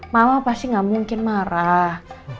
mama pasti gak mungkin marah